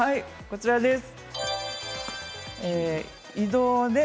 こちらです。